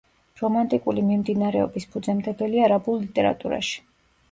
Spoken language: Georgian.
რომანტიკული მიმდინარეობის ფუძემდებელი არაბულ ლიტერატურაში.